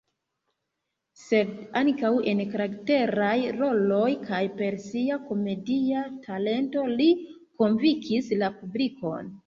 Sed ankaŭ en karakteraj roloj kaj per sia komedia talento li konvinkis la publikon.